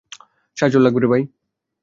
সাহায্য লাগবে রে ভাই!